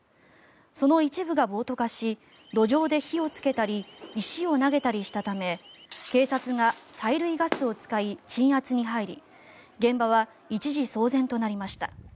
その一部が暴徒化し路上で火をつけたり石を投げたりしたため警察が催涙ガスを使い鎮圧に入り現場は一時、騒然となりました。